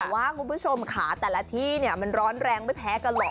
แต่ว่าคุณผู้ชมค่ะแต่ละที่เนี่ยมันร้อนแรงไม่แพ้กันหรอก